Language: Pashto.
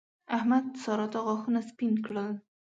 احمد؛ سارا ته غاښونه سپين کړل.